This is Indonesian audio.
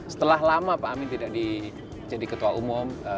setelah lama pak amin tidak jadi ketua umum